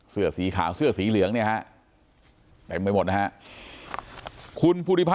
เสื้อสีขาวเสื้อสีเหลืองเนี่ยฮะเห็นไหมหมดนะฮะ